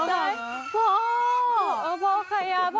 แล้วก็แบบพ่อ